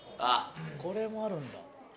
これもあるんだ。